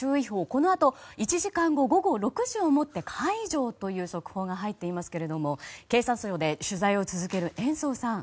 このあと、１時間後午後６時をもって解除という速報が入っていますけれども経産省で取材を続ける延増さん。